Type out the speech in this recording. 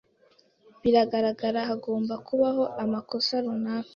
Biragaragara, hagomba kubaho amakosa runaka.